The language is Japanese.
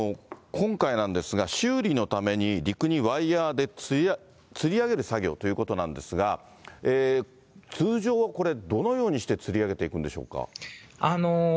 今回なんですが、修理のために陸にワイヤでつり上げる作業ということなんですが、通常はこれ、どのようにしてつり上げていくんでしょうか。